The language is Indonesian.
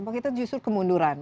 bahwa kita justru kemunduran